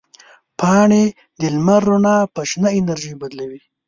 پاڼې د لمر رڼا په شنه انرژي بدلوي.